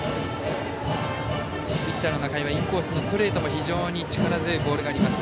ピッチャーの仲井はインコースのストレートも非常に力強いボールがあります。